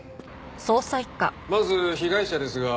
まず被害者ですが。